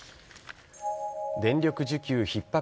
電力需給ひっ迫